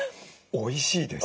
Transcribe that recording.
おいしいです。